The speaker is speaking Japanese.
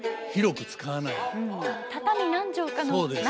畳何畳かの中で。